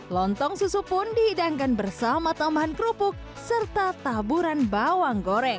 lontong susu pun dihidangkan bersama tambahan kerupuk serta taburan bawang goreng